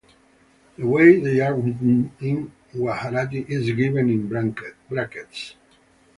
The way they are written in Gujarati is given in brackets.